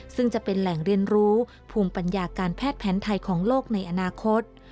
ซึ่งจะเป็นแหล่งเรียนรู้ภูมิปัญญาการแพทย์แผนไทยของโลกในอนาคต